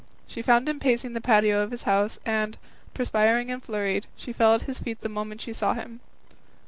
She found him pacing the patio of his house, and, perspiring and flurried, she fell at his feet the moment she saw him.